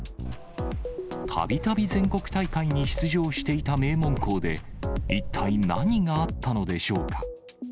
たびたび全国大会に出場していた名門校で、一体何があったのでしょうか。